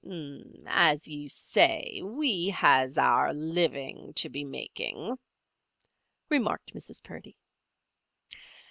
"As you say, we has our living to be making," remarked Mrs. Purdy.